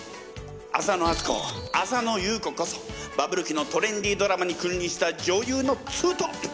浅野温子浅野ゆう子こそバブル期のトレンディードラマに君臨した女優のツートップ！